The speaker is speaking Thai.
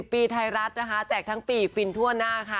๗๐ปีไทยรัสแจกทั้งปีฟินทั่วหน้าค่ะ